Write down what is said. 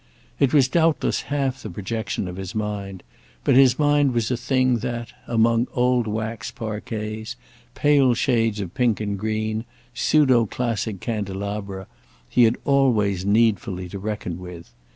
It was doubtless half the projection of his mind, but his mind was a thing that, among old waxed parquets, pale shades of pink and green, pseudo classic candelabra, he had always needfully to reckon with.